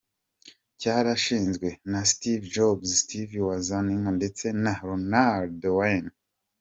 cyarashinzwe, na Steve Jobs, Steve Wozniak, ndetse na Ronald Wayne.